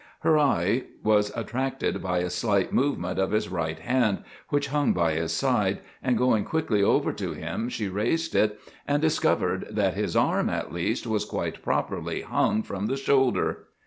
Her eye was attracted by a slight movement of his right hand, which hung by his side, and going quickly over to him she raised it and discovered that his arm, at least, was quite properly hung from the shoulder.